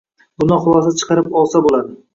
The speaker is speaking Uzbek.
Bundan xulosa chiqarib olsa boʻladi.